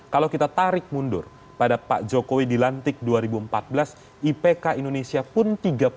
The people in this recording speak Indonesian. kalau kita tarik mundur pada pak jokowi dilantik dua ribu empat belas ipk indonesia pun